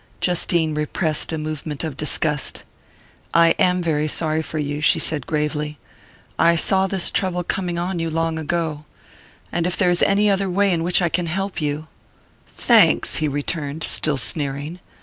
Justine repressed a movement of disgust. "I am very sorry for you," she said gravely. "I saw this trouble coming on you long ago and if there is any other way in which I can help you " "Thanks," he returned, still sneering.